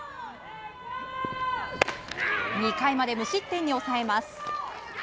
２回まで無失点に抑えます。